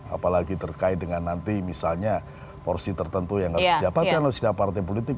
apalagi terkait dengan nanti misalnya porsi tertentu yang harus didapatkan oleh setiap partai politik